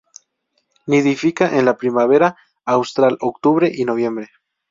Nidifica en la primavera austral: octubre y noviembre.